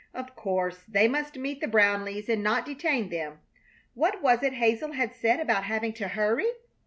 Of course they must meet the Brownleighs and not detain them. What was it Hazel had said about having to hurry?